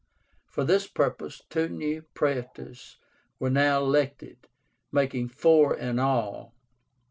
For this purpose two new Praetors were now elected, making four in all.